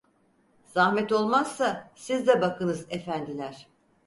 Zahmet olmazsa siz de bakınız efendiler…